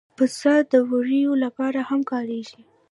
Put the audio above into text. پسه د وړیو لپاره هم کارېږي.